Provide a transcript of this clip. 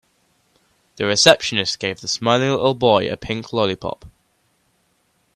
The receptionist gave the smiling little boy a pink lollipop.